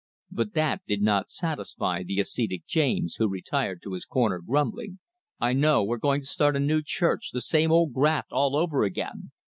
But that did not satisfy the ascetic James, who retired to his corner grumbling. "I know, we're going to start a new church the same old graft all over again!